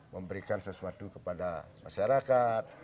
memberikan sesuatu kepada masyarakat